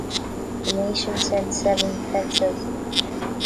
The nation sent seven fencers.